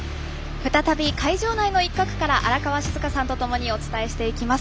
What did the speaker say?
再び会場の一角から荒川静香さんとともにお伝えしていきます。